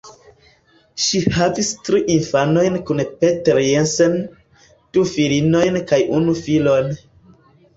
Ŝi havis tri infanojn kun Peter Jensen, du filinojn kaj unu filon.